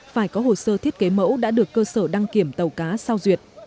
phải có hồ sơ thiết kế mẫu đã được cơ sở đăng kiểm tàu cá sau duyệt